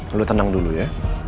lo tenang dulu ya